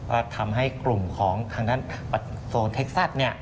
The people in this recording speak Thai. แล้วทำให้กลุ่มของทางด้านโซนเท็กซัต